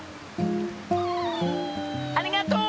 ありがとう！